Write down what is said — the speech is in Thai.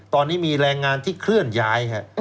ตอนนี้มีแรงงานที่เคลื่อนย้าย